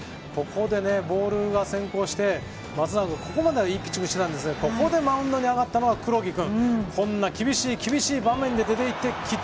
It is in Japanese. ここでボールが先行して、ここまではいいピッチングをしていたんですがマウンドに上がった、黒木君。